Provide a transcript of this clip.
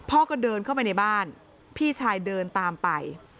ก็เดินเข้าไปในบ้านพี่ชายเดินตามไป